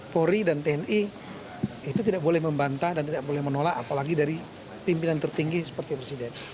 polri dan tni itu tidak boleh membantah dan tidak boleh menolak apalagi dari pimpinan tertinggi seperti presiden